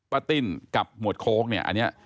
ป้าติ๋วกับหมวดโค้กเนี่ย